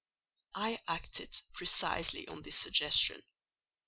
"I acted precisely on this suggestion.